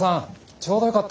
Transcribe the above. ちょうどよかった。